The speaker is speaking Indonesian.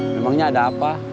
memangnya ada apa